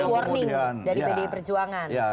warning dari pdi perjuangan